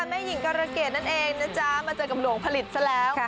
แม่หญิงการะเกดนั่นเองนะจ๊ะมาเจอกับหลวงผลิตซะแล้ว